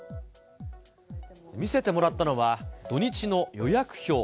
見せてもらったのは、土日の予約表。